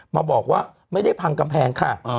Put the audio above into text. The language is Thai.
มาบอกว่าไม่ได้พังกำแพงค่ะ